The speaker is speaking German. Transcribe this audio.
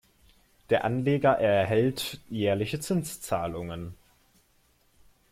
Der Anleger erhält jährliche Zinszahlungen.